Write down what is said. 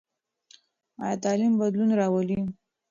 ایا تعلیم بدلون راولي؟